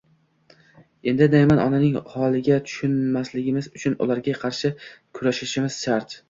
Endi Nayman onaning holiga tushmasligimiz uchun ularga qarshi kurashishimiz shart.